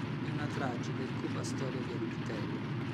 È una tragica e cupa storia di adulterio.